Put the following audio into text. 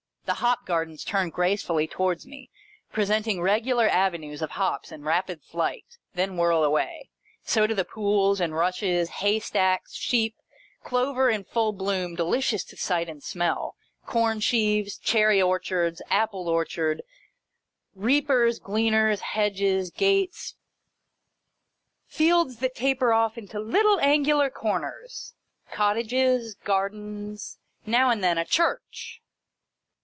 The hop gardens turn gracefully towards me, presenting regular avenues of hops in rapid flight, then whirl away. So do the pools and rushes, haystacks, sheep, clover in full bloom delicious to the sight and smell, corn sheaves, cherry orchards, apple orchards, reapers, gleaners, hedges, gates, fields that taper off into little angular corners, cottages, gardens, now arid then a church.